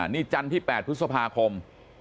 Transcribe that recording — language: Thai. นี่จันทร์ที่๘พฤษภาคม